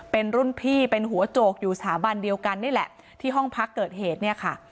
เป็นรุ่นพี่เป็นหัวโจกอยู่สถาบันเดียวกันนี่แหละที่ห้องพักเกิดเหตุเนี่ยค่ะ